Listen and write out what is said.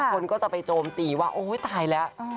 คนก็จะไปโจมตีว่าโอ้ยตายแล้ว